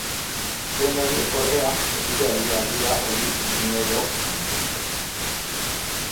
Tren horiek ordea, ez dute abiadura hori uneoro mantentzen.